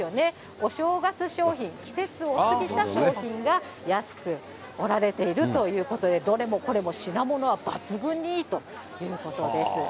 お正月商品、季節を過ぎた商品が安く売られているということで、どれもこれも品物は抜群にいいということです。